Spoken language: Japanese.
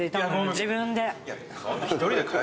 自分で。